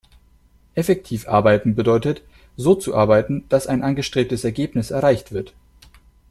Effektiv arbeiten bedeutet, so zu arbeiten, dass ein angestrebtes Ergebnis erreicht wird.